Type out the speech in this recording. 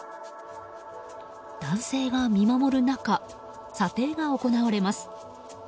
男性が見守る中査定が行われます。